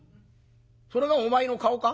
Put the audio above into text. それがお前の顔か？